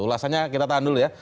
ulasannya kita tahan dulu ya